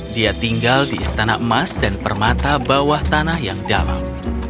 dia tinggal di istana emas dan permata bawah tanah yang damai